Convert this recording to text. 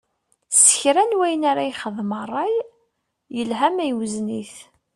Si kra n wayen ara yexdem, ṛṛay, yelha ma iwzen-it.